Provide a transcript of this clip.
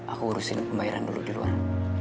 aku urusin pembayaran dulu di luar